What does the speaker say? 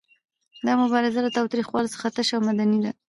دا مبارزه له تاوتریخوالي څخه تشه او مدني ده.